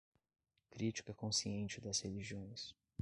crítica consciente das religiões